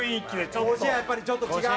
甲子園はやっぱりちょっと違う？